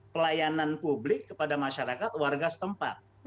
pelayanan publik kepada masyarakat warga setempat